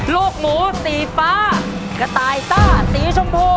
ลูกหมูสีฟ้ากระต่ายต้าสีชมพู